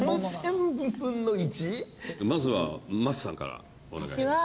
まずは松さんからお願いします。